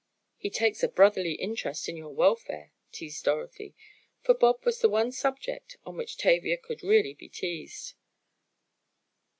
"He takes a brotherly interest in your welfare," teased Dorothy, for Bob was the one subject on which Tavia could really be teased.